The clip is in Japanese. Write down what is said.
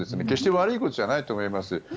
決して悪いことじゃないと思います。